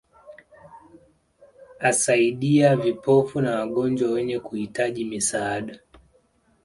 Asaidia vipofu na wagonjwa wenye kuhitaji misaada